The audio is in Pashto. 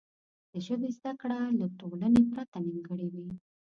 د ژبې زده کړه له ټولنې پرته نیمګړې وي.